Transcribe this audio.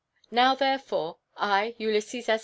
Now, therefore, I, Ulysses S.